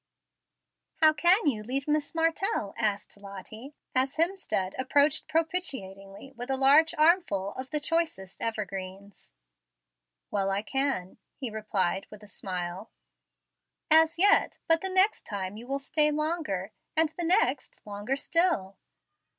"How can you leave Miss Martell?" asked Lottie, as Hemstead approached propitiatingly with a large armful of the choicest evergreens. "Well, I can," he replied with a smile. "As yet, but the next time you will stay longer, and the next longer still."